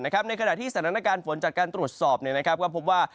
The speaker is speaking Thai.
ในขณะที่สถานการณ์ฝนจากการตรวจสอบก็พบว่า